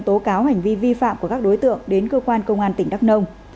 tố cáo hành vi vi phạm của các đối tượng đến cơ quan công an tỉnh đắk nông